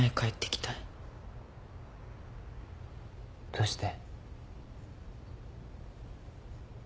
どうして？